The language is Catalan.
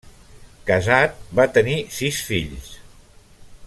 Casat, va tenir sis fills.